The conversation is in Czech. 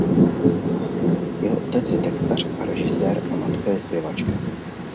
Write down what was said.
Jeho otec je textař a režisér a matka je zpěvačka.